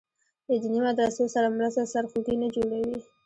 له دیني مدرسو سره مرسته سرخوږی نه جوړوي.